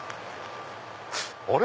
あれ？